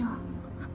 あっ。